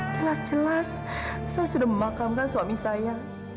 jelas jelas saya sudah memakamkan suami saya